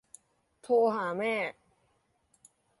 โทรหาแม่